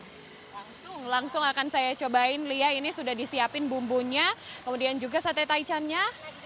langsung langsung akan saya cobain lia ini sudah disiapin bumbunya kemudian juga sate taichannya